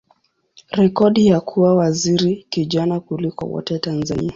rekodi ya kuwa waziri kijana kuliko wote Tanzania.